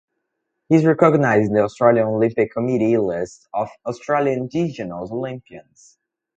He is recognized in the Australian Olympic Committee list of Australian Indigenous Olympians.